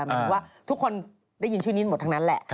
หมายถึงว่าทุกคนได้ยินชื่อนี้หมดทั้งนั้นแหละ